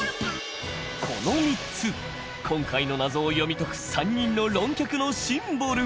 この３つ今回の謎を読み解く３人の論客のシンボル。